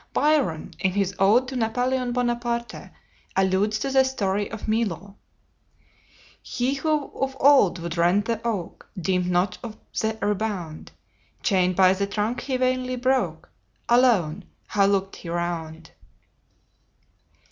Byron, in his "Ode to Napoleon Bonaparte," alludes to the story of Milo: "He who of old would rend the oak Deemed not of the rebound; Chained by the trunk he vainly broke, Alone, how looked he round!"